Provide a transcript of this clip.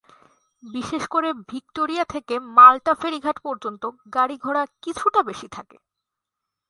বিশেষ করে ভিক্টোরিয়া থেকে মাল্টা ফেরি ঘাট পর্যন্ত গাড়ি-ঘোড়া কিছুটা বেশি থাকে।